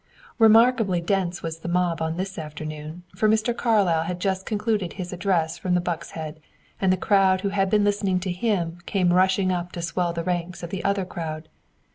Remarkably dense was the mob on this afternoon, for Mr. Carlyle had just concluded his address from the Buck's Head, and the crowd who had been listening to him came rushing up to swell the ranks of the other crowd.